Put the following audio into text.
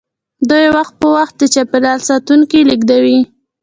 دوی وخت په وخت د چاپیریال ساتونکي لیږدوي